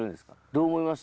どう思います？